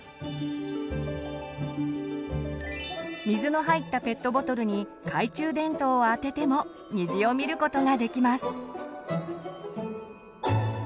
水の入ったペットボトルに懐中電灯をあてても虹を見ることができます！